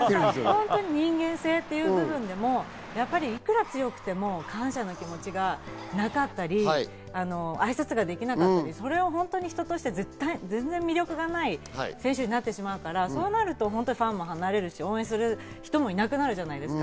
人間性という部分でもいくら強くても感謝の気持ちがなかったり、あいさつができなかったり、それは人として全然魅力がない選手になってしまうから、そうなるとファンも離れるし、応援する人もいなくなるじゃないですか。